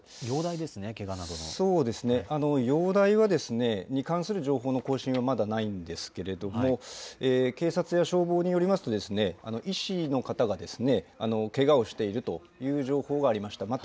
容体は、容体に関する情報の更新はまだないんですけれども、警察や消防によりますと、医師の方が、けがをしているという情報がありました。